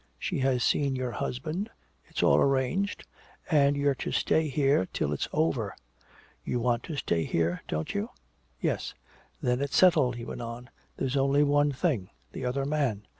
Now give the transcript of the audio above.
She has seen your husband it's all arranged and you're to stay here till it's over ... You want to stay here, don't you?" "Yes." "Then it's settled," he went on. "There's only one thing the other man.